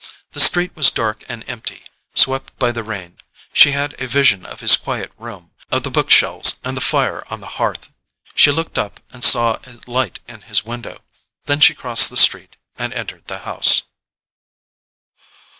The street was dark and empty, swept by the rain. She had a vision of his quiet room, of the bookshelves, and the fire on the hearth. She looked up and saw a light in his window; then she crossed the street and entered the house.